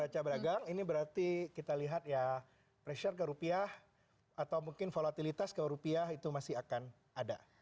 caba ragang ini berarti kita lihat ya pressure ke rupiah atau mungkin volatilitas ke rupiah itu masih akan ada